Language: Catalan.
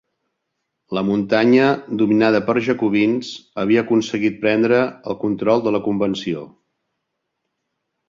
La Muntanya dominada per jacobins, havia aconseguit prendre el control de la convenció.